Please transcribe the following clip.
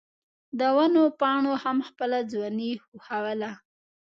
د ونو پاڼو هم خپله ځواني ښووله.